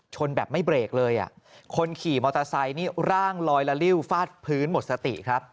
แบบไม่เบรกเลยอ่ะคนขี่มอเตอร์ไซค์นี่ร่างลอยละลิ้วฟาดพื้นหมดสติครับ